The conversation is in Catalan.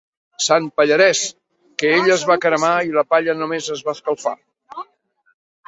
Sant Pallarès, que ell es va cremar i la palla només es va escalfar.